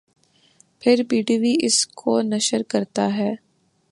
پھر P T V اس کو نشر کرتا ہے